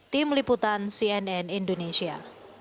tim liputan cnn indonesia